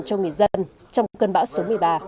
cho người dân trong cơn bão số một mươi ba